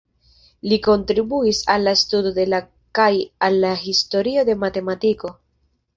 Li kontribuis al la studo de la kaj al la historio de matematiko.